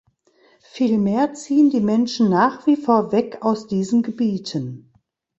Vielmehr ziehen die Menschen nach wie vor weg aus diesen Gebieten.